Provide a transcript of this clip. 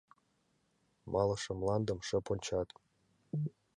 Малыше мландым шып ончат.